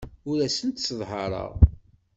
Ur asen-sseḍhareɣ.